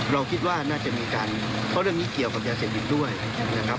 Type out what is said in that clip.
เราคิดว่าน่าจะมีการเพราะเรื่องนี้เกี่ยวกับยาเสพติดด้วยนะครับ